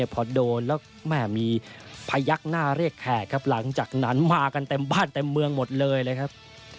พอโดนแล้วแม่มีพยักหน้าเรียกแขกครับหลังจากนั้นมากันเต็มบ้านเต็มเมืองหมดเลยเลยครับ